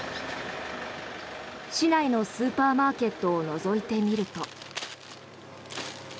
市内のスーパーマーケットをのぞいてみると。